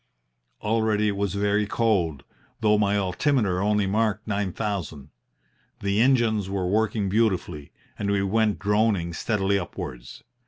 Already it was very cold, though my altimeter only marked nine thousand. The engines were working beautifully, and we went droning steadily upwards.